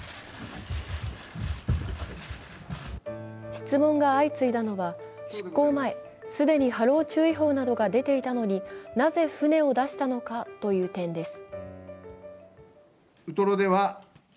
質問が相次いだのは出航前、既に波浪注意報などが出ていたのになぜ、船を出したのかという点です